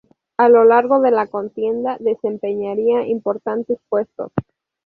A lo largo de la contienda desempeñaría importantes puestos.